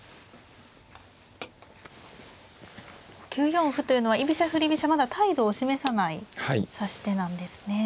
９四歩というのは居飛車振り飛車まだ態度を示さない指し手なんですね。